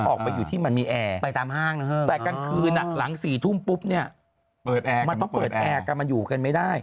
ออกไปอยู่ที่มันมีแอร์แต่กลางคืนหลัง๔ทุ่มปุ๊บมันต้องเปิดแอร์กลับมาอยู่กันไม่ได้